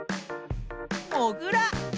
もぐら。